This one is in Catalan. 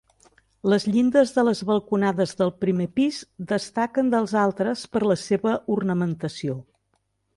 Les llindes de les balconades del primer pis destaquen dels altres per la seva ornamentació.